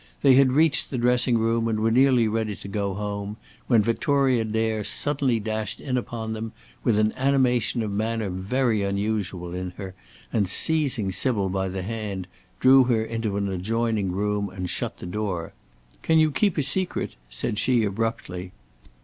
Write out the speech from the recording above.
They had reached the dressing room and were nearly ready to go home, when Victoria Dare suddenly dashed in upon them, with an animation of manner very unusual in her, and, seizing Sybil by the hand, drew her into an adjoining room and shut the door. "Can you keep a secret?" said she abruptly.